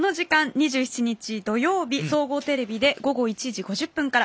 ２７日土曜日、総合テレビで午後１時５０分から。